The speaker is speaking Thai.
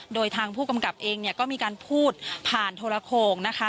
โดยทางผู้กำกับเองเนี่ยก็มีการพูดผ่านโทรโครงนะคะ